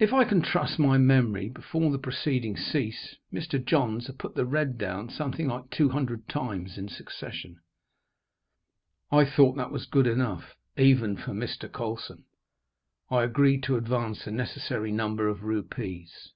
If I can trust my memory, before the proceedings ceased, Mr. Johns had put the red down something like two hundred times in succession. I thought that was good enough, even for Mr. Colson. I agreed to advance the necessary number of rupees.